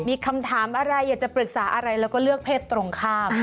มีคำถามอะไรอยากจะปรึกษาอะไรแล้วก็เลือกเพศตรงข้าม